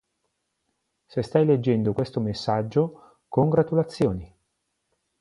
Se stai leggendo questo messaggio, congratulazioni.